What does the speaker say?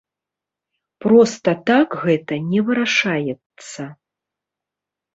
Проста так гэта не вырашаецца.